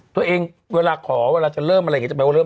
ตัวเองเวลาขอเวลาจะเริ่มอะไรอย่างนี้